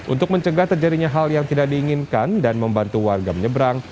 untuk mencegah terjadinya hal yang tidak diinginkan dan membantu warga menyeberang